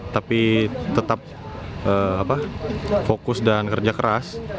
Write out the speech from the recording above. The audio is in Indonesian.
tapi tetap fokus dan kerja keras